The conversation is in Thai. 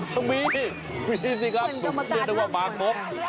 ต้องมีสิครับเชื่อเลยว่ามาครบ